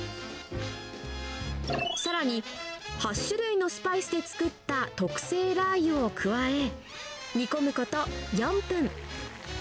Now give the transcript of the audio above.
さらに８種類のスパイスで作った特製ラー油を加え、煮込むこと４分。